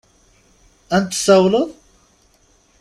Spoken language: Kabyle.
Ad n-tsawaleḍ?